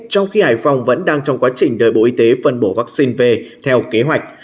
trong khi hải phòng vẫn đang trong quá trình đời bộ y tế phân bổ vaccine về theo kế hoạch